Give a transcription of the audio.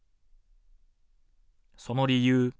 その理由。